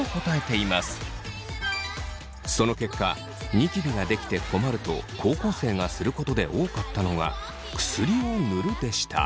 その結果ニキビができて困ると高校生がすることで多かったのが薬を塗るでした。